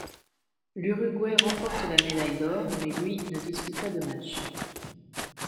L'Uruguay remporte la médaille d'or mais lui ne dispute pas de match.